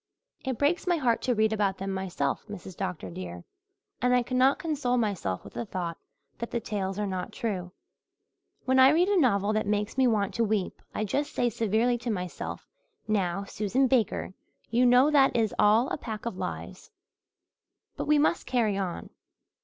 It breaks my heart to read about them myself, Mrs. Dr. dear, and I cannot console myself with the thought that the tales are not true. When I read a novel that makes me want to weep I just say severely to myself, 'Now, Susan Baker, you know that is all a pack of lies.' But we must carry on.